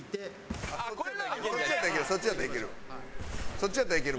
そっちやったらいける。